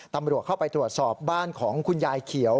ตำรวจเข้าไปตรวจสอบบ้านของคุณยายเขียว